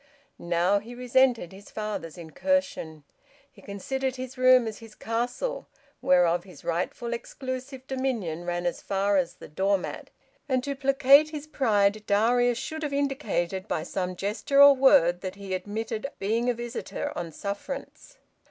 Now, he resented his father's incursion. He considered his room as his castle, whereof his rightful exclusive dominion ran as far as the door mat; and to placate his pride Darius should have indicated by some gesture or word that he admitted being a visitor on sufferance.